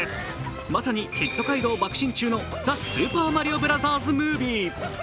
まさにヒット街道ばく進中の「ザ・スーパーマリオブラザーズ・ムービー」。